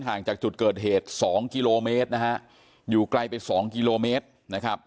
ห่างจากจุดเกิดเหตุสองกิโลเมตรนะฮะอยู่ไกลไปสองกิโลเมตรนะครับ